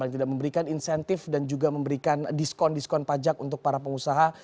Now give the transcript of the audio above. yang tidak memberikan insentif dan juga memberikan diskon diskon pajak untuk para pengusaha